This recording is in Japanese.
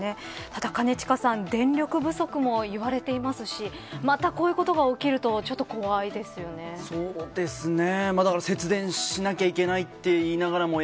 ただ兼近さん、電力不足も言われていますしまた、こういうことが起きるとちょっと怖いですよね。